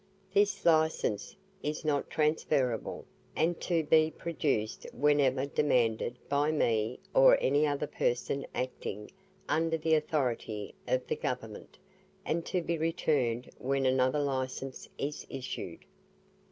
This Licence is not transferable, and to be produced whenever demanded by me or any other person acting under the Authority of the Government, and to be returned when another Licence is issued.